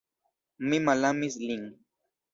Mi malamis lin.